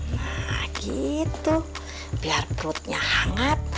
nah gitu biar perutnya hangat